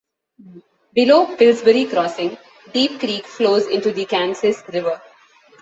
Below Pillsbury Crossing, Deep Creek flows into the Kansas River.